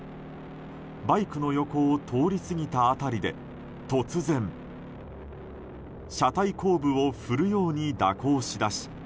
バイクの横を通り過ぎた辺りで突然車体後部を振るように蛇行し出し